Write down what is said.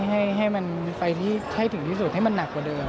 ให้มันไปที่ที่สุดให้มันหนักกว่าเดิมค่ะ